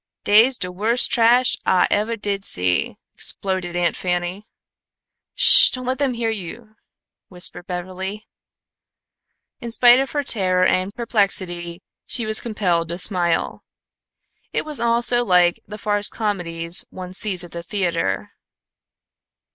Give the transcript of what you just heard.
"Dey's de wust trash Ah eveh did see," exploded Aunt Fanny. "Sh! Don't let them hear you," whispered Beverly. In spite of her terror and perplexity, she was compelled to smile. It was all so like the farce comedies one sees at the theatre.